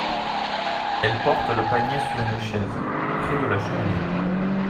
Elle porte le panier sur une chaise, près de la cheminée.